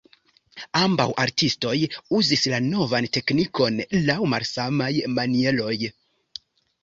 Ambaŭ artistoj uzis la novan teknikon laŭ malsamaj manieroj.